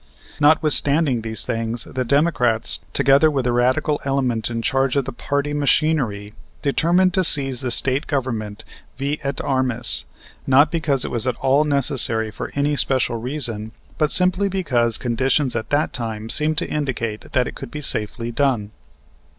Notwithstanding these things the Democrats, together with the radical element in charge of the party machinery, determined to seize the State Government vi et armis; not because it was at all necessary for any special reason, but simply because conditions at that time seemed to indicate that it could be safely done.